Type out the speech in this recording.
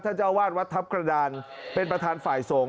เจ้าวาดวัดทัพกระดานเป็นประธานฝ่ายสงฆ์